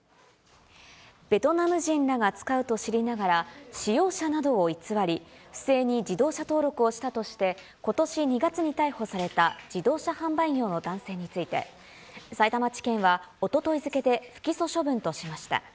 ベトナム人らが使うと知りながら、使用者などを偽り、不正に自動車登録をしたとして、ことし２月に逮捕された自動車販売業の男性について、さいたま地検は、おととい付けで不起訴処分としました。